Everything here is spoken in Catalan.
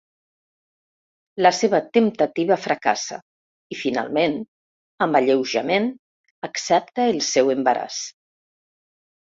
La seva temptativa fracassa i, finalment, amb alleujament accepta el seu embaràs.